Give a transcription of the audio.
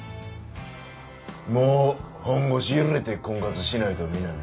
もう本腰入れて婚活しないとみなみ。